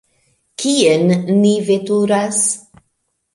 Kien ni veturas?